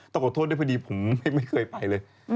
ขอโทษด้วยพอดีผมไม่เคยไปเลย